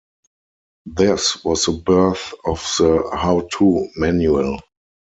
This was the birth of the how-to manual.